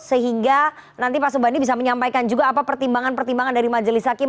sehingga nanti pak subandi bisa menyampaikan juga apa pertimbangan pertimbangan dari majelis hakim